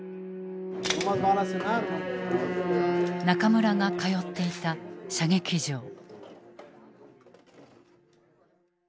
中村が通っていた射撃場。